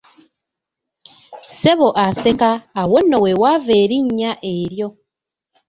Ssebo aseka, awo nno weewava erinnya eryo.